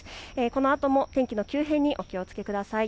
このあとも天気の急変にお気をつけください。